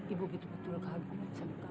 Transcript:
ibu betul betul kagum sama kamu